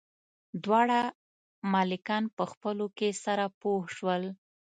دواړه ملکان په خپلو کې سره پوه شول.